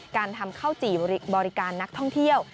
การทำข้าวจี่บริการนักท่องเที่ยว